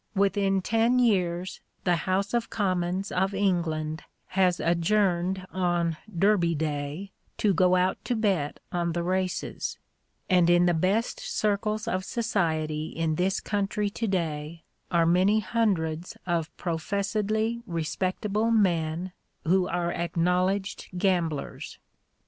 Within ten years the House of Commons of England has adjourned on "Derby Day" to go out to bet on the races; and in the best circles of society in this country to day are many hundreds of professedly respectable men who are acknowledged gamblers.